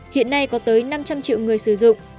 hiện nay có tới năm trăm linh triệu người sử dụng